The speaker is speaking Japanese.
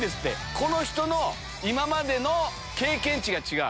この人の今までの経験値が違う。